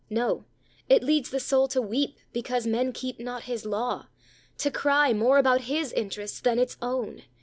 No; it leads the soul to weep because men keep not His law, to cry more about His interests than its own.